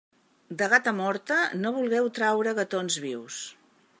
De gata morta no vulgueu traure gatons vius.